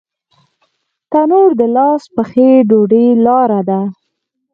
تنور د لاس پخې ډوډۍ لاره ده